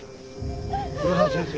黒沢先生